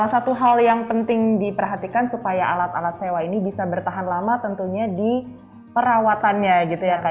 satu hal yang penting diperhatikan supaya alat alat sewa ini bisa bertahan lama tentunya di perawatannya gitu ya kak